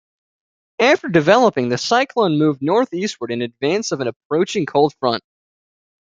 After developing, the cyclone moved northeastward in advance of an approaching cold front.